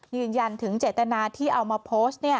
ยืนยันถึงเจตนาที่เอามาโพสต์